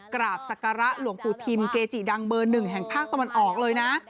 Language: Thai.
กราบศักระหลวงปู่ทิมเกจิดังเบอร์หนึ่งแห่งภาคตะวันออกเลยนะ